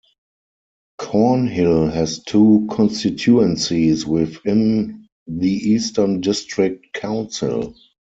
Kornhill has two constituencies within the Eastern District Council.